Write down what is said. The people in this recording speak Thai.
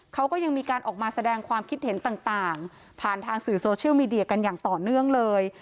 เขาก็ยังมีการออกมาแสดงความคิดเห็นต่างผ่านทางสื่อโซเชียลมีเดียกันอย่างต่อเนื่องเลย